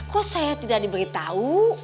kok saya tidak diberitahu